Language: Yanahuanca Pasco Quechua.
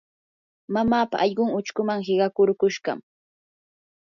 mamaapa allqun uchkuman qiqakurkushqam.